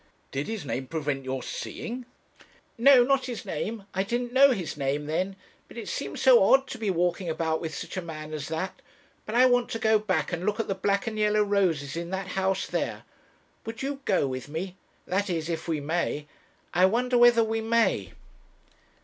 'Did his name prevent your seeing?' 'No, not his name; I didn't know his name then. But it seemed so odd to be walking about with such a man as that. But I want to go back, and look at the black and yellow roses in that house, there. Would you go with me? that is, if we may. I wonder whether we may!'